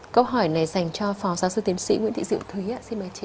câu hỏi này dành cho phó giáo sư tiến sĩ nguyễn thị diệu thúy ạ xin mời chị